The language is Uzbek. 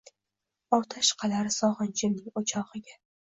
Otash qalar sogʼinchimning oʼchogʼiga